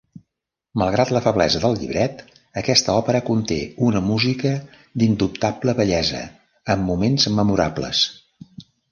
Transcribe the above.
Malgrat la feblesa del llibret, aquesta òpera conté una música d'indubtable bellesa amb moments memorables.